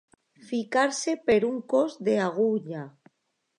Ficar-se per un cos d'agulla.